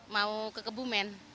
mau ke kebumen